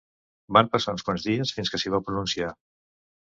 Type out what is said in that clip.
Van passar uns quants dies fins que s’hi va pronunciar.